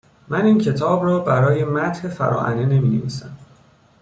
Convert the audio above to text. من این کتاب را برای مدح فراعنه نمی نویسم